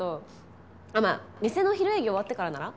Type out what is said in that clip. まあ店の昼営業終わってからなら。